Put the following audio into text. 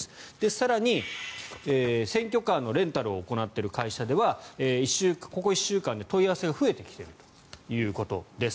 更に、選挙カーのレンタルを行っている会社ではここ１週間で問い合わせが増えてきているということです。